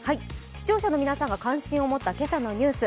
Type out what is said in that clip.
視聴者の皆さんが感心を持った今朝のニュース